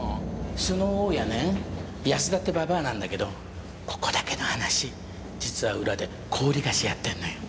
その大家ね安田ってババアなんだけどここだけの話実は裏で高利貸しやってんのよ。